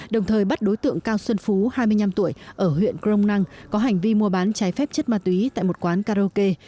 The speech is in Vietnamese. đồng thời bắt đối tượng cao xuân phú hai mươi năm tuổi ở huyện crong năng có hành vi mua bán trái phép chất ma túy tại một quán karaoke